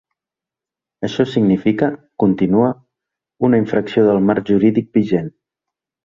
Això significa, continua, una “infracció del marc jurídic vigent”.